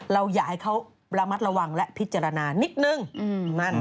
เราอยากให้เขาระมัดระวังและพิจารณานิดนึง